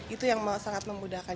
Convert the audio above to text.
itu yang sangat memudahkan